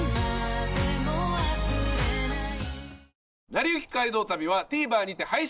『なりゆき街道旅』はＴＶｅｒにて配信中です。